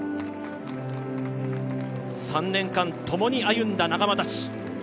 ３年間、共に歩んだ仲間たち。